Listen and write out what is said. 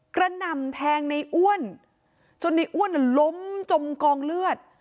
กระนำแทงนายอ้วนจนนายอ้วนล้มจมกองเลือด